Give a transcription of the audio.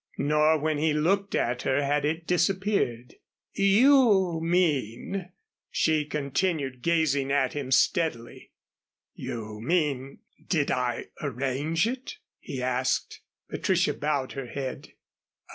Nor when he looked at her had it disappeared. "You mean " She continued gazing at him steadily. "You mean did I arrange it?" he asked. Patricia bowed her head.